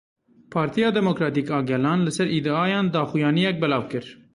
Partiya Demokratîk a Gelan li ser îdiayan daxuyaniyek belav kir.